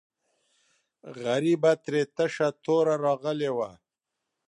غریبه ترې تشه توره راغلې وه.